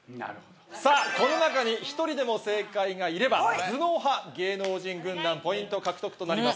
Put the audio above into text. さぁこの中に１人でも正解がいれば頭脳派芸能人軍団ポイント獲得となります。